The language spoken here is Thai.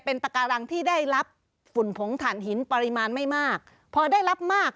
เป็นปาการังที่ได้รับฝุ่นผงถั่นหินปริมาณไม่มาก